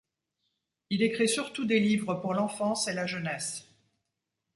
Il écrit surtout des livres pour l'enfance et la jeunesse.